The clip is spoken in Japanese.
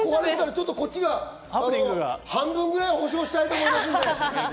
こっちが半分ぐらい補償したいと思います。